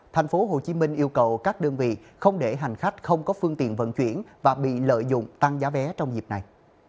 tp hcm yêu cầu các đơn vị không để hành khách không có phương tiện vận chuyển và bị lợi dụng tăng giá vé trong dịp này